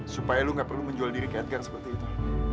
supaya lo gak perlu menjual diri ke edgar seperti itu